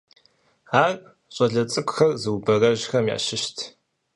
Ар щӀалэ цӀыкӀухэр зыубэрэжьхэм ящыщт.